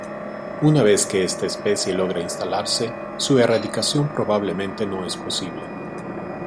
Una vez que esta especie logra instalarse, su erradicación probablemente no es posible.